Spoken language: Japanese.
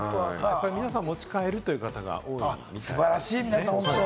皆さん、持ち帰るという方が多いですね。